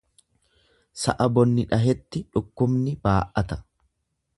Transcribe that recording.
Sa'a bonni dhahetti dhukkubni baa'ata.